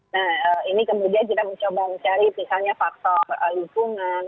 nah ini kemudian kita mencoba mencari misalnya faktor lingkungan